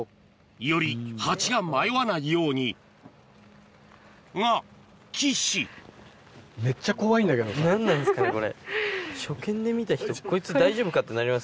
よりハチが迷わないようにが岸何なんですかねこれ。